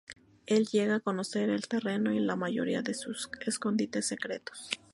Él llega a conocer el terreno y la mayoría de sus escondites secretos.